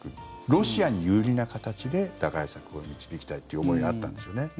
ロシアに有利な形で打開策を導きたいという思いがあったんですよね。